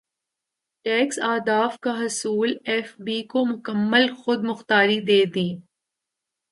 tax اہداف کا حصولایف بی کو مکمل خود مختاری دے دی